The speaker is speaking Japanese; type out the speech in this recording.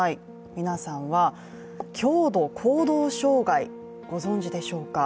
皆さんは強度行動障害、ご存じでしょうか？